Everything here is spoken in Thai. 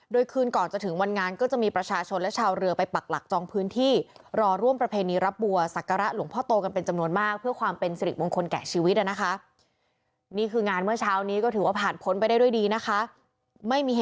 โดยคืนก่อนจะถึงวันงานก็จะมีประชาชนและชาวเรือไปปรักหลักจองพื้นที่